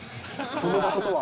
その場所とは？